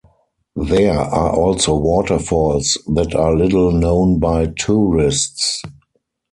There are also waterfalls that are little known by tourists.